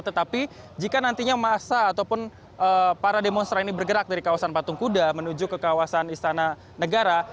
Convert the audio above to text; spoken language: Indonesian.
tetapi jika nantinya masa ataupun para demonstran ini bergerak dari kawasan patung kuda menuju ke kawasan istana negara